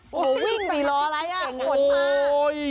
โหวิ่งสิรออะไรอ่ะฝนมา